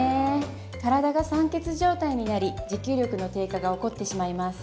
体が酸欠状態になり持久力の低下が起こってしまいます。